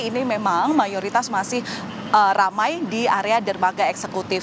ini memang mayoritas masih ramai di area dermaga eksekutif